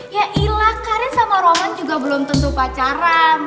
ya ilah karin sama roman juga belum tentu pacaran